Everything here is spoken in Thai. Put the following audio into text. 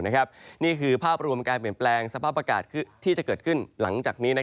นี่คือภาพรวมการเปลี่ยนแปลงสภาพอากาศที่จะเกิดขึ้นหลังจากนี้